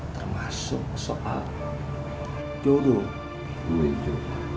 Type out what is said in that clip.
termasuk soal jodoh berikutnya